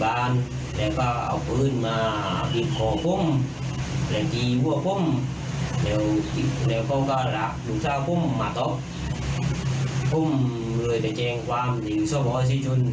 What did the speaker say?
ความถึงส่วนบอกว่าชิคกี้พายไม่ทำเงินก็ดี